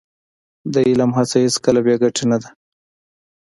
د علم هڅه هېڅکله بې ګټې نه ده.